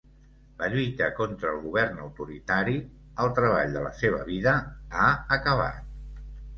La lluita contra el govern autoritari, el treball de la seva vida, ha acabat.